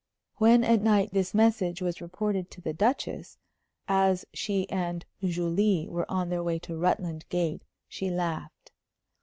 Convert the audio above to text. When at night this message was reported to the Duchess, as she and Julie were on their way to Rutland Gate, she laughed.